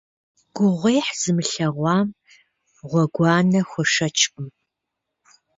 Гугъуехь зымылъэгъуам гъуэгуанэ хуэшэчкъым.